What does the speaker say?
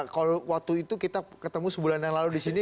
kalau waktu itu kita ketemu sebulan yang lalu di sini